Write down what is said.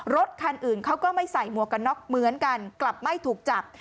รถคันอื่นเขาก็ไม่ใส่หมวกกันน็อกเหมือนกันกลับไม่ถูกจับ